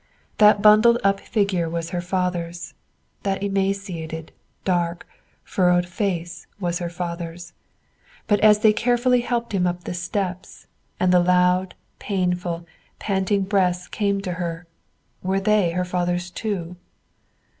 That bundled up figure was her father's; that emaciated, dark, furrowed face was her father's; but as they carefully helped him up the steps, and the loud, painful, panting breaths came to her, were they her father's too?